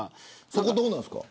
そこはどうなんですか。